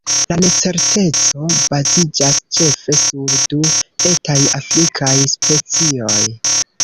La necerteco baziĝas ĉefe sur du etaj afrikaj specioj.